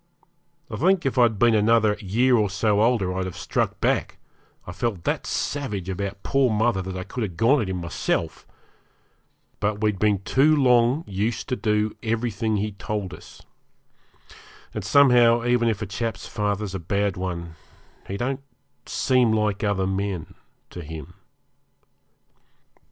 I think if I'd been another year or so older I'd have struck back I felt that savage about poor mother that I could have gone at him myself but we had been too long used to do everything he told us; and somehow, even if a chap's father's a bad one, he don't seem like other men to him.